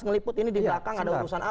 ngeliput ini di belakang ada urusan apa